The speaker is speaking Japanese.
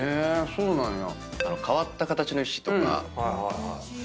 そうなんや。